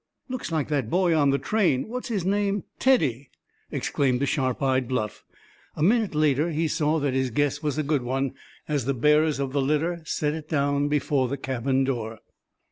"Looks like that boy on the train, what's his name—Teddy!" exclaimed the sharp eyed Bluff. A minute later he saw that his guess was a good one, as the bearers of the litter set it down before the cabin door.